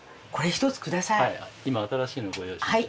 今新しいのをご用意します。